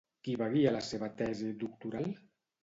Qui va guiar la seva tesi doctoral?